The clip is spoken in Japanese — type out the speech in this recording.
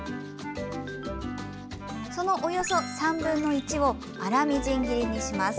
そのおよそ３分の１を粗みじん切りにします。